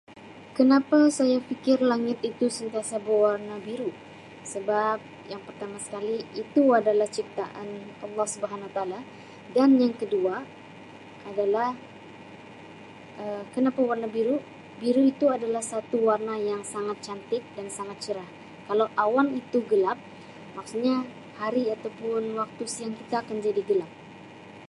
Kenapa saya fikir langit itu sentiasa berwarna biru sebab yang pertama sekali itu adalah ciptaan Allah Subhanahuwata'ala dan yang kedua adalah Um kenapa warna biru, biru itu adalah satu warna yang sangat cantik dan sangat cerah. Kalau awan itu gelap, maksudnya hari atau pun waktu siang kita akan jadi gelap.